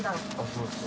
そうです。